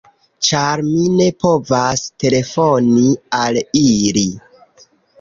Ĉar mi ne povas telefoni al ili.